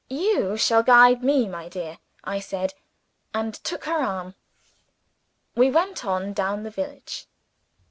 "You shall guide me, my dear," I said and took her arm. We went on down the village.